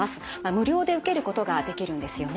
無料で受けることができるんですよね。